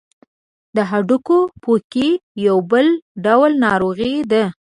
د هډوکو پوکی یو بل ډول ناروغي ده.